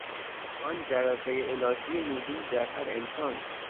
آن جرقهی الهی موجود در هر انسان